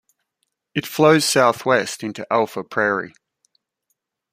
It flows southwest into Alpha Prairie.